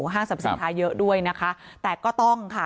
ห้างสรรพสินค้าเยอะด้วยนะคะแต่ก็ต้องค่ะ